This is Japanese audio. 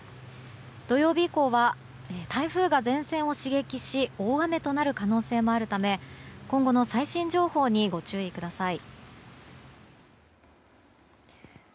土曜日以降は台風が前線を刺激し大雨となる可能性もあるため今後の最新情報にご注意ください。